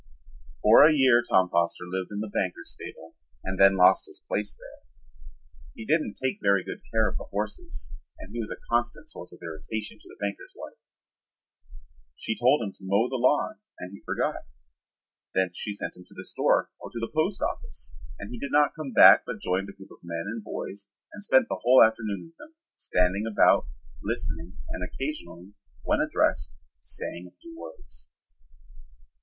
For a year Tom Foster lived in the banker's stable and then lost his place there. He didn't take very good care of the horses and he was a constant source of irritation to the banker's wife. She told him to mow the lawn and he forgot. Then she sent him to the store or to the post office and he did not come back but joined a group of men and boys and spent the whole afternoon with them, standing about, listening and occasionally, when addressed, saying a few words.